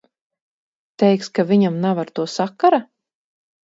Teiksi, ka viņam nav ar to sakara?